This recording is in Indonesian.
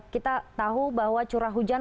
kita tahu bahwa curah hujan